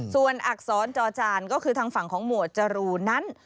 ส่วนอักษรจอจานก็คือทางฝั่งของหมวดจรูนนั้น